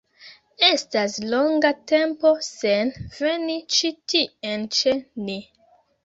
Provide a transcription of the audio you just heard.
Estas longa tempo sen veni ĉi tien ĉe ni